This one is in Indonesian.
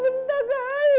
bentar kak ayu